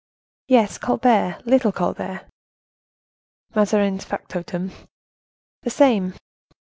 "Yes, Colbert, little Colbert." "Mazarin's factotum?" "The same."